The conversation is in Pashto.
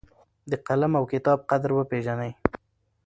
د قلم او کتاب قدر وپېژنئ.